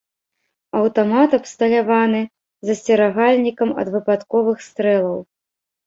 Аўтамат абсталяваны засцерагальнікам ад выпадковых стрэлаў.